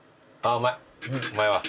うまいわ。